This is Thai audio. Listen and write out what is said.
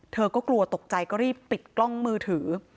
เธอก็กลัวตกใจก็รีบปิดกล้องมือถือ